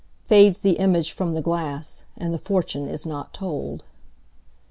Fades the image from the glass, And the fortune is not told.